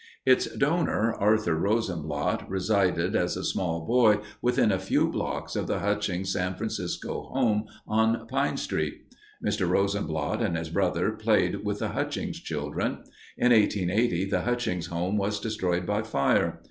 Its donor, Arthur Rosenblatt, resided as a small boy within a few blocks of the Hutchings San Francisco home on Pine Street. Mr. Rosenblatt and his brothers played with the Hutchings children. In 1880 the Hutchings home was destroyed by fire.